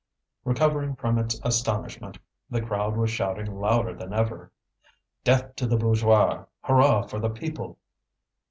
Recovering from its astonishment, the crowd was shouting louder than ever: "Death to the bourgeois! Hurrah for the people!"